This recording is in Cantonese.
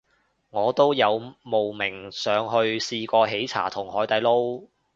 我都有慕名上去試過喜茶同海底撈